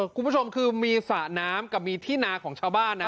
คุณผู้ชมคือมีสระน้ำกับมีที่นาของชาวบ้านนะ